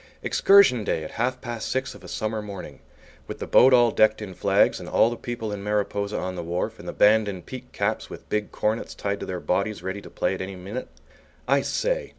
Excursion Day, at half past six of a summer morning! With the boat all decked in flags and all the people in Mariposa on the wharf, and the band in peaked caps with big cornets tied to their bodies ready to play at any minute! I say!